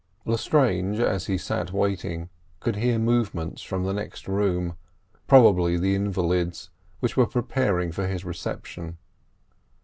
Lestrange, as he sat waiting, could hear movements from the next room—probably the invalid's, which they were preparing for his reception.